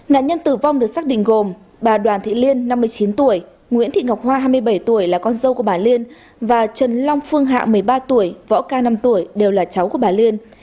nạn nhân tử vong được xác định gồm bà đoàn thị liên năm mươi chín tuổi nguyễn thị ngọc hoa hai mươi bảy tuổi là con dâu của bà liên và trần long phương hạ một mươi ba tuổi võ ca năm tuổi đều là cháu của bà liên